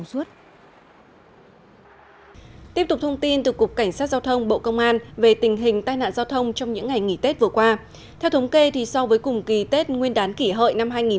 xin cảm ơn quý vị đã quan tâm theo dõi